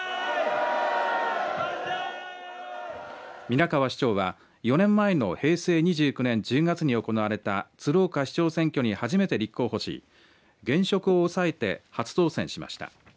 皆川市長は４年前の平成２９年１０月に行われた鶴岡市長選挙に初めて立候補し現職を抑えて初当選しました。